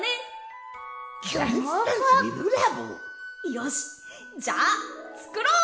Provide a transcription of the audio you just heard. よしじゃあつくろう！